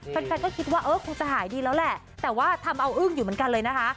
แฟนก็คิดว่าเออคงจะหายดีแล้วแหละแต่ว่าทำเอาอึ้งอยู่เหมือนกันเลยนะคะ